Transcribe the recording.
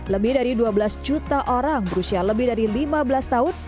lebih dari dua belas juta orang berusia lebih dari lima belas tahun